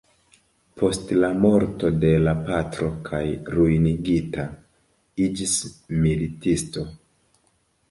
Post la morto de la patro kaj ruinigita, iĝis militisto.